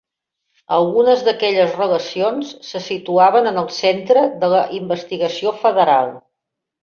Algunes d'aquelles relacions se situaven en el centre de la investigació federal.